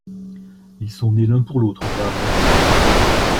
Ils sont nés l'un pour l'autre, Madame!